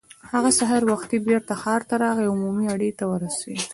هغه سهار وختي بېرته ښار ته راغی او عمومي اډې ته ورسېد.